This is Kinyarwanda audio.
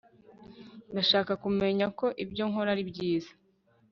ndashaka kumenya ko ibyo nkora ari byiza